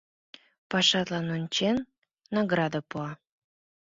Пашатлан ончен, награда пуа.